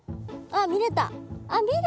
あっ見れた！